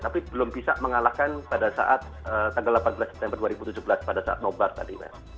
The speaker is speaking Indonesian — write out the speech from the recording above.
tapi belum bisa mengalahkan pada saat tanggal delapan belas september dua ribu tujuh belas pada saat nobar tadi mas